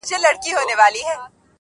ته يې بد ايسې,